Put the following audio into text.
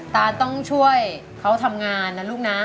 ตาต้องช่วยเขาทำงานนะลูกนะ